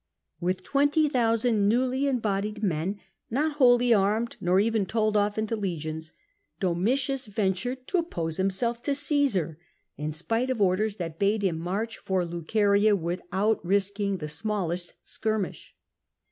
With 20,000 newly embodied men, not wholly armed nor even told off into legions, Domitius ventured to oppose himself to Cfesar, in spite of orders that bade him march for Luceria without risking the smallest skirmish.